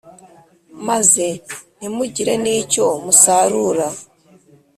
maze ntimugire n’icyo musarura.